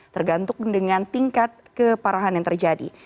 tergantung dengan tingkat keparahan yang terjadi